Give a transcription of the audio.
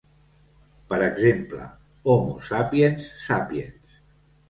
Per exemple: "Homo sapiens sapiens".